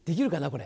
これ。